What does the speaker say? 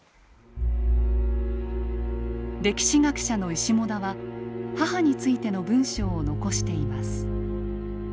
歴史学者の石母田は母についての文章を残しています。